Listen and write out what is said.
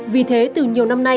vì thế từ nhiều năm nay